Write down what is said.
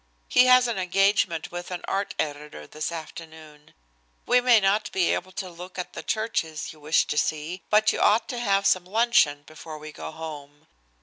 He has an engagement with an art editor this afternoon. We may not be able to look at the churches you wished to see, but you ought to have some luncheon before we go home.